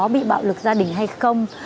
bị bạo lực gia đình hay không